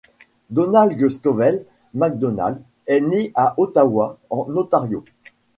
Donald Stovel Macdonald est né à Ottawa, en Ontario.